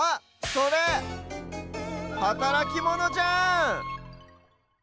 それはたらきモノじゃん！